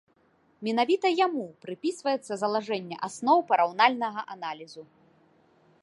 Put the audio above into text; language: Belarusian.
Менавіта яму прыпісваецца залажэнне асноў параўнальнага аналізу.